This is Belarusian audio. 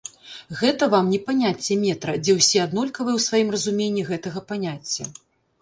Гэта вам не паняцце метра, дзе ўсе аднолькавыя ў сваім разуменні гэтага паняцця.